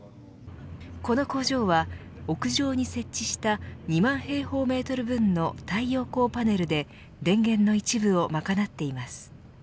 この工場は、屋上に設置した２万平方メートル分の太陽光パネルで電源の一部を賄っています。